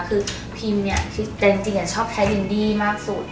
คือพิมเนี่ยจริงชอบใช้พิมดี้มากสุด